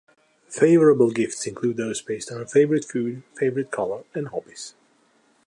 Favorable gifts include those based on her favorite food, favorite color, and hobbies.